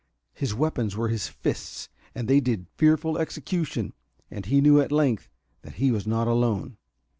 His weapons were his fists, and they did fearful execution. And he knew, at length, that he was not alone.